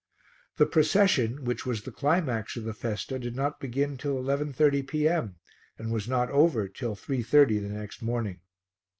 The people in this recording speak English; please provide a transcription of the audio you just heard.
The procession, which was the climax of the festa, did not begin till 11.30 P.M. and was not over till 3.30 the next morning.